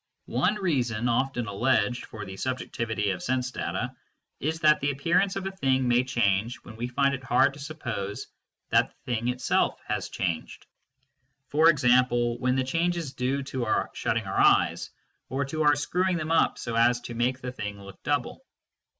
One reason often alleged for the subjectivity of sense data is that the appearance of a thing may change when we find it hard to suppose that the thing itself has changed for example, when the change is due to our shutting our eyes, or to our screwing them up so as to make the thing look double.